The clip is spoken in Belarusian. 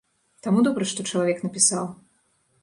Таму добра, што чалавек напісаў.